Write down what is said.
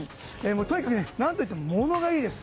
とにかく、何といってもものがいいです。